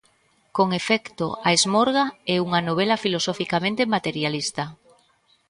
Con efecto, "A esmorga" é unha novela filosoficamente materialista.